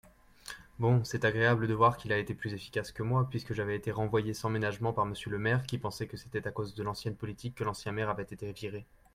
bon, c'est agréable de voir qu'il a été plus efficace que moi puisque j'avais été renvoyé sans ménagement par monsieur le maire qui pensait que c'était à cause de l'ancienne politique que l'ancien maire avait été viré.